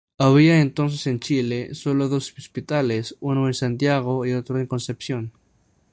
Había entonces en Chile sólo dos hospitales, uno en Santiago y otro en Concepción.